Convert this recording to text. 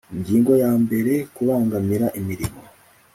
Ingingo ya mbere Kubangamira imirimo